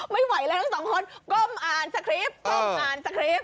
ไม่ไหวแล้วทั้งสองคนก้มอ่านสครีป